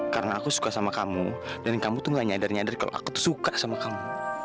karena aku suka sama kamu dan kamu tuh gak nyadar nyadar kalau aku tuh suka sama kamu